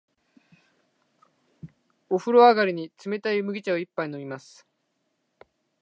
お風呂上がりに、冷たい麦茶を一杯飲みます。